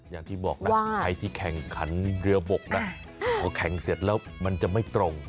อย่างที่บอกนะใครที่แข่งขันเรือบกนะพอแข่งเสร็จแล้วมันจะไม่ตรง